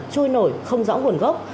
chui nổi không rõ nguồn gốc